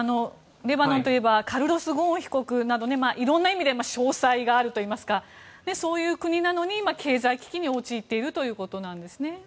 レバノンといえばカルロス・ゴーン被告などいろんな意味で商才があるといいますかそういう国なのに経済危機に陥っているということですね。